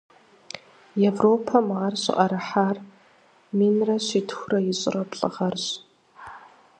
Европэм ар щыӏэрыхьар минрэ щитхурэ ищӏрэ плӏы гъэрщ.